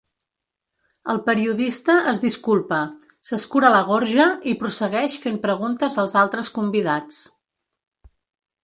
El periodista es disculpa, s'escura la gorja i prossegueix fent preguntes als altres convidats.